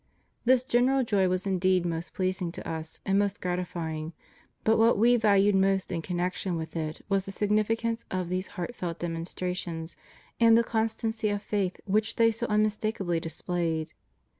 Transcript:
This general joy was indeed most pleasing to Us, and most gratifying; but what We valued most in connection with it was the significance of these heartfelt demonstrations, and the constancy of faith which they so unmistakably displayed.